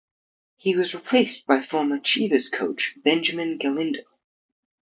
He was replaced by former Chivas coach Benjamin Galindo.